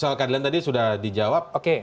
soal keadilan tadi sudah dijawab